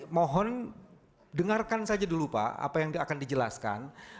mohon dengarkan saja dulu pak apa yang akan dijelaskan